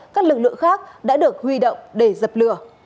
các lực lượng khác đã được huy động để dập lửa